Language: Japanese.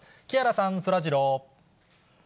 木原さん、そらジロー。